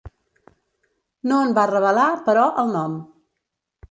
No en va revelar, però, el nom.